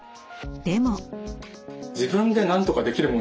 でも。